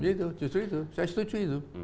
itu justru itu saya setuju itu